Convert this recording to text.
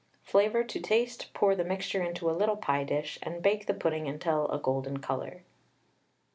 Flavour to taste, pour the mixture into a little pie dish, and bake the pudding until a golden colour.